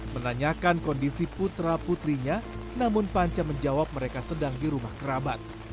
menanyakan kondisi putra putrinya namun panca menjawab mereka sedang di rumah kerabat